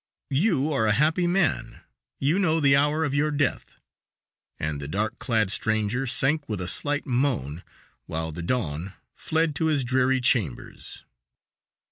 "You are a happy man; you know the hour of your death," and the dark clad stranger sank with a slight moan, while the don fled to his dreary chambers.